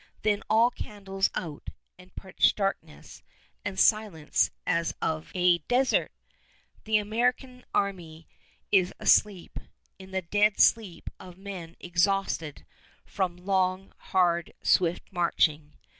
Then all candles out, and pitch darkness, and silence as of a desert! The American army is asleep, in the dead sleep of men exhausted from long, hard, swift marching.